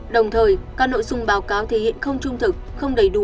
đồng thời các nội dung báo cáo thể hiện không trung thực không đầy đủ